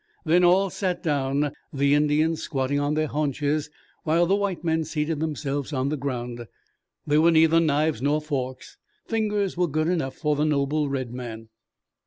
Then all sat down, the Indians squatting on their haunches, while the white men seated themselves on the ground. There were neither knives nor forks. Fingers were good enough for the noble red man.